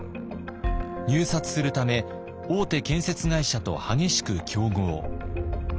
入札するため大手建設会社と激しく競合。